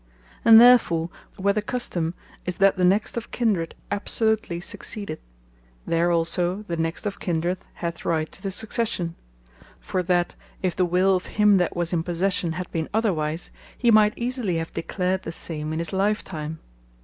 And therefore where the Custome is, that the next of Kindred absolutely succeedeth, there also the next of Kindred hath right to the Succession; for that, if the will of him that was in posession had been otherwise, he might easily have declared the same in his life time.